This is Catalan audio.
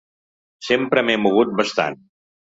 Sempre m’he mogut bastant.